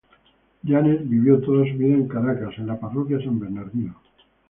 Yanes vivió toda su vida en Caracas en la Parroquia San Bernardino.